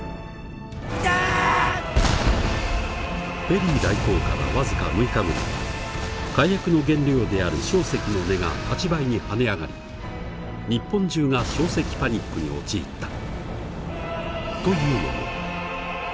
ペリー来航から僅か６日後には火薬の原料である硝石の値が８倍に跳ね上がり日本中が硝石パニックに陥った。